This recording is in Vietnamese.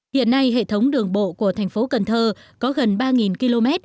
hiện nay hệ thống đường bộ của thành phố cần thơ có gần ba km